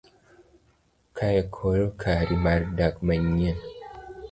kae koro kari mar dak manyien